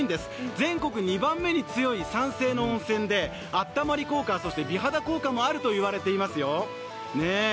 全国２番目に強い酸性の温泉で、温まり効果、美肌効果もあると言われていますよ。